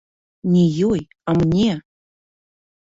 Не ёй, а мне!